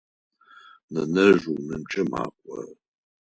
Нэнэжъ унэмкӏэ макӏо.